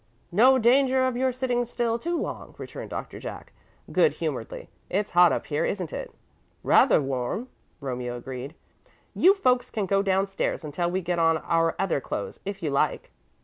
"No danger of your sitting still too long," returned Doctor Jack, good humouredly. "It's hot up here, isn't it?" "Rather warm," Romeo agreed. "You folks can go downstairs until we get on our other clothes, if you like."